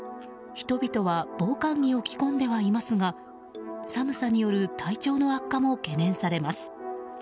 人々は防寒着を着込んではいますが寒さによる体調の悪化も懸念されます。